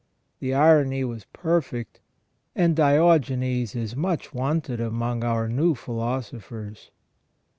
The irony was perfect, and Diogenes is much wanted among our new philosophers.